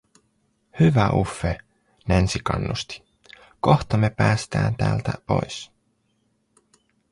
"Hyvä Uffe!", Nancy kannusti, "kohta me päästää täältä pois".